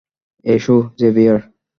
এসো, জেভিয়ার।